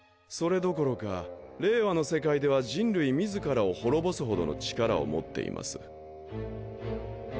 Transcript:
それどころか令和の世界では人類自らを滅ぼすほどの力を持っています。